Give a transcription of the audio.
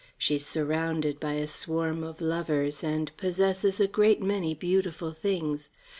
She is surrounded by a swarm of lovers and possesses a great many beautiful things.